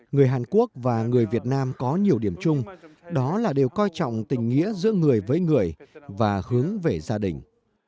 người hàn quốc và người việt nam có nhiều điểm chung đó là điều coi trọng tình nghĩa giữa người với người và hướng về gia đình